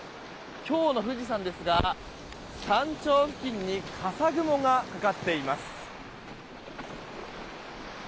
今日の富士山ですが山頂付近に笠雲がかかっています。